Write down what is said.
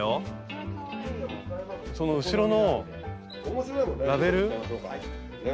その後ろのラベル？